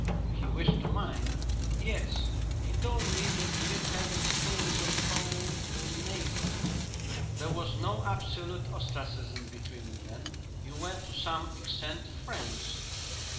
"He wished to mine?" "Yes. He told me that he had had experience of coal in Natal." "There was no absolute ostracism between you then? You were to some extent friends?"